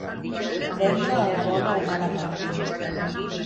Prendre a la bona o mala part.